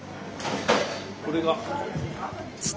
これが。